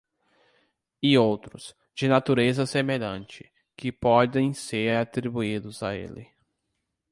E outros, de natureza semelhante, que podem ser atribuídos a ele.